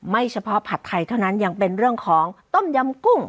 เฉพาะผัดไทยเท่านั้นยังเป็นเรื่องของต้มยำกุ้ง